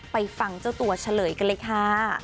ฟังเจ้าตัวเฉลยกันเลยค่ะ